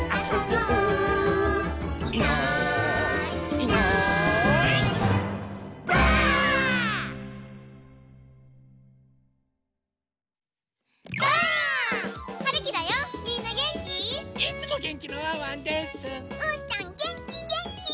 うーたんげんきげんき！